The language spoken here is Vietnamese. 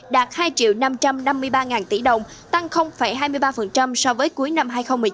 đạt hai năm trăm năm mươi ba tỷ đồng tăng hai mươi ba so với cuối năm hai nghìn một mươi chín